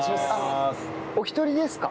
お一人ですか？